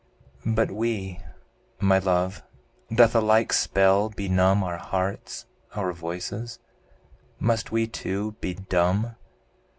But we my love! doth a like spell benumb Our hearts, our voices? must we too be dumb?